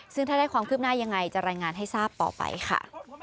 ซึ่งถ้าได้ความคืบหน้ายังไงจะรายงานให้ทราบต่อไปค่ะ